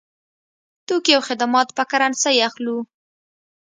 توکي او خدمات په کرنسۍ اخلو.